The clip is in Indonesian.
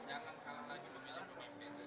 jangan salah lagi memilih pemimpinnya